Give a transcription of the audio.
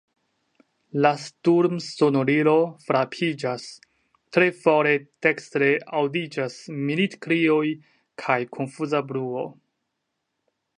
La sturmsonorilo frapiĝas; tre fore dekstre aŭdiĝas militkrioj kaj konfuza bruo.